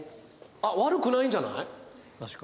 あっ悪くないんじゃない？